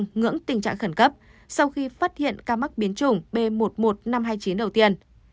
israel đang ngưỡng tình trạng khẩn cấp sau khi phát hiện ca mắc biến chủng b một một năm trăm hai mươi chín đầu tiên